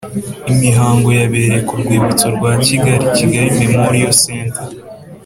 Imihango yabereye ku rwibutso rwa Kigali Kigali Memorial Centre